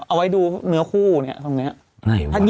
เอาไว้ดูเนื้อคู่เนี่ยตรงเนี้ยไหนวะ